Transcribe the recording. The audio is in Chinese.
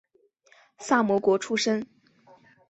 萨摩国出身。